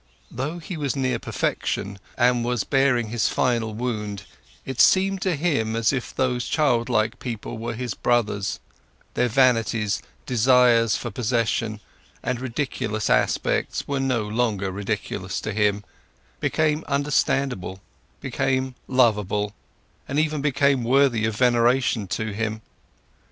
Though he was near perfection and was bearing his final wound, it still seemed to him as if those childlike people were his brothers, their vanities, desires for possession, and ridiculous aspects were no longer ridiculous to him, became understandable, became lovable, even became worthy of veneration to him.